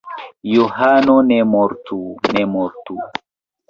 Johano ne mortu! Ne mortu!